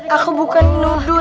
aku bukan nuduh